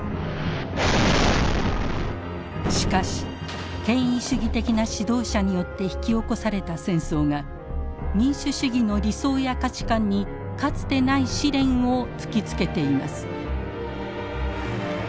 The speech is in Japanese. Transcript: しかし権威主義的な指導者によって引き起こされた戦争が民主主義の理想や価値観にかつてない試練を突きつけています。